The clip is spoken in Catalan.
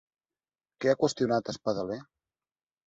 Què ha qüestionat Espadaler?